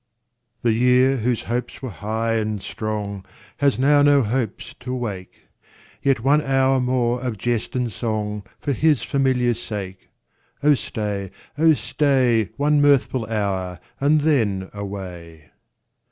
The year, whose hopes were high and strong, Has now no hopes to wake ; Yet one hour more of jest and song For his familiar sake. Oh stay, oh stay, One mirthful hour, and then away.